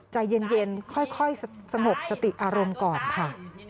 ใจเย็นค่อยสงบสติอารมณ์ก่อนค่ะ